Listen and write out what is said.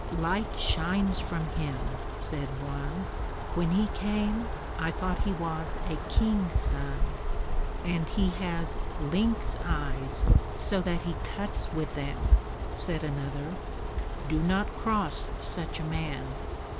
"Light shines from him," said one; "when he came I thought he was a king's son." "And he has lynx eyes, so that he cuts with them," said another; "do not cross such a man."